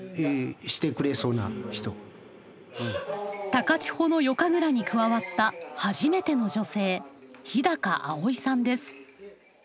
高千穂の夜神楽に加わった初めての女性日葵さんです。